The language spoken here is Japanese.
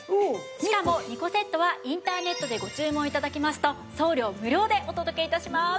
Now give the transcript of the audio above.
しかも２個セットはインターネットでご注文頂きますと送料無料でお届け致します。